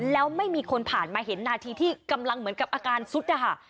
แล้วไม่มีคนผ่านมาเห็นนาทีที่กำลังเหมือนกับอาการซุดนะคะ